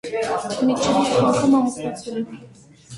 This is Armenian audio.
Միտչելը երկու անգամ ամուսնացել է։